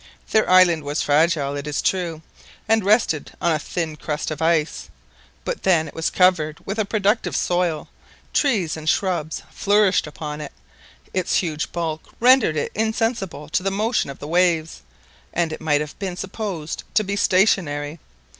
Their island was fragile, it is true, and rested on a thin crust of ice; but then it was covered with a productive soil, trees and shrubs flourished upon it, its huge bulk rendered it insensible to the motion of the waves, and it might have been supposed to be stationary.